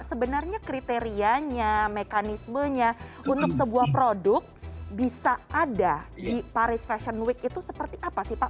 sebenarnya kriterianya mekanismenya untuk sebuah produk bisa ada di paris fashion week itu seperti apa sih pak